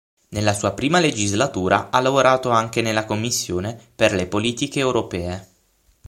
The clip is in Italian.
Nella sua prima legislatura ha lavorato anche nella Commissione per le Politiche Europee.